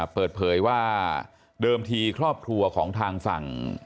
เปิดเผยว่าเดิมทีครอบครัวของทางฝั่ง